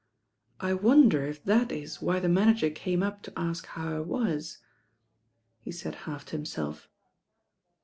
I wonder if that it why the manager came up to atk how I wat," he taid half to himtelf.